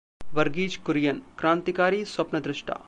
वर्गीज़ कुरियन: क्रांतिकारी स्वप्नद्रष्टा